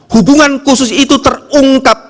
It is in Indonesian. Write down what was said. hubungan khusus itu terungkap